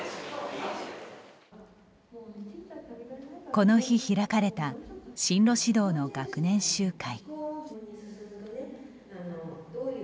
この日、開かれた進路指導の学年集会。